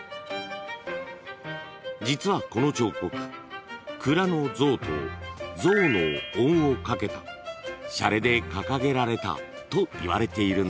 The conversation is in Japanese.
［実はこの彫刻蔵の「ぞう」と象の音をかけたしゃれで掲げられたといわれているんです］